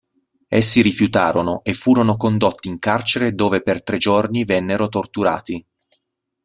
Essi rifiutarono e furono condotti in carcere dove per tre giorni vennero torturati.